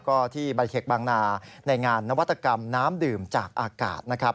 ก็ที่ใบเคกบางนาในงานนวัตกรรมน้ำดื่มจากอากาศนะครับ